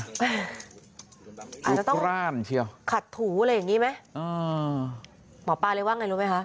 อาจจะต้องร่ามเชียวขัดถูอะไรอย่างงี้ไหมอ่าหมอปลาเลยว่าไงรู้ไหมคะ